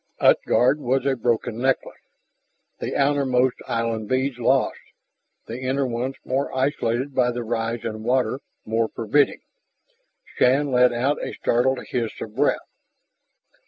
Utgard was a broken necklace, the outermost island beads lost, the inner ones more isolated by the rise in water, more forbidding. Shann let out a startled hiss of breath.